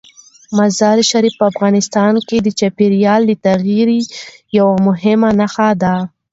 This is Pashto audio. مزارشریف په افغانستان کې د چاپېریال د تغیر یوه مهمه نښه ده.